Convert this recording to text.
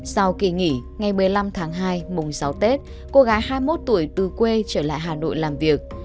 sau kỳ nghỉ ngày một mươi năm tháng hai mùng sáu tết cô gái hai mươi một tuổi từ quê trở lại hà nội làm việc